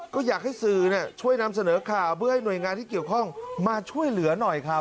ก็อยากให้สื่อช่วยนำเสนอข่าวเพื่อให้หน่วยงานที่เกี่ยวข้องมาช่วยเหลือหน่อยครับ